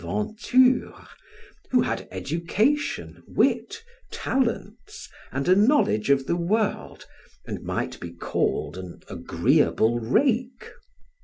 Venture, who had education, wit, talents, and a knowledge of the world, and might be called an agreeable rake.